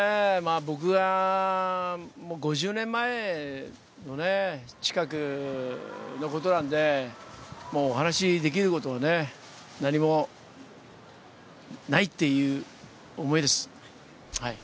僕が、５０年前のね、近くのことなんで、もうお話しできることはね、何もないっていう思いです。